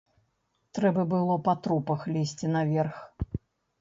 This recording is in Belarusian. Трэба было па трупах лезці наверх.